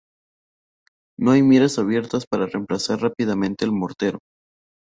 No hay miras abiertas para emplazar rápidamente el mortero.